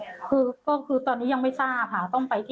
หรือว่าอย่างไรครับ